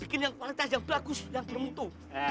bikin yang kualitas yang bagus yang bermutu